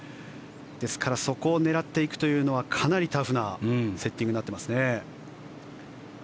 ですからそこを狙っていくというのはかなりタフなセッティングになっていますね。